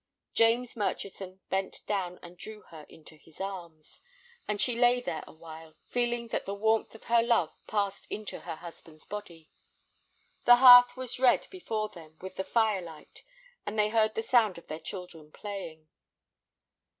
James Murchison bent down and drew her into his arms, and she lay there awhile, feeling that the warmth of her love passed into her husband's body. The hearth was red before them with the fire light, and they heard the sound of their children playing.